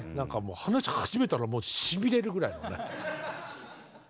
話し始めたらもうしびれるぐらいのね。